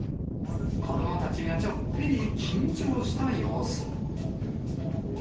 子どもたちがちょっぴり緊張した様子。